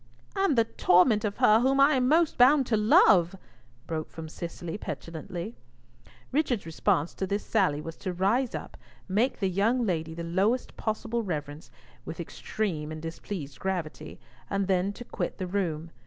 "And the torment of her whom I am most bound to love," broke from Cicely petulantly. Richard's response to this sally was to rise up, make the young lady the lowest possible reverence, with extreme and displeased gravity, and then to quit the room.